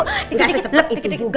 nggak secepat itu juga